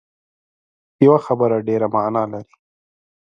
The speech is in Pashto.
یوه خبره ډېره معنا لري